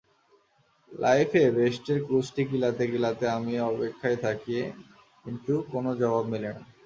লাইফে বেস্টের গুষ্টি কিলাতে কিলাতে আমি অপেক্ষায় থাকি কিন্তু কোনো জবাব মেলে না।